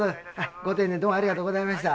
ご丁寧にどうもありがとうございました。